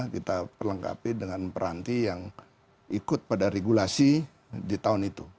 kita perlengkapi dengan peranti yang ikut pada regulasi di tahun itu